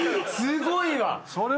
すごいわ！